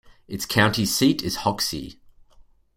Its county seat is Hoxie.